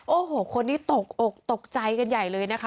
โอ้โหคนนี้ตกอกตกใจกันใหญ่เลยนะคะ